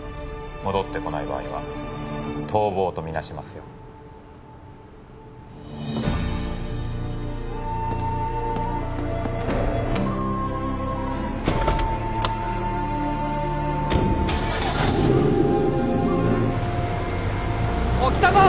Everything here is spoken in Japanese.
戻ってこない場合は逃亡とみなしますよ・おい来たぞ！